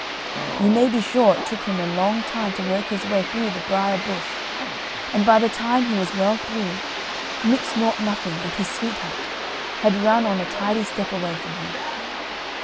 You may be sure it took him a long time to work his way through the briar bush and by the time he was well through Nix Nought Nothing and his sweetheart had run on a tidy step away from him.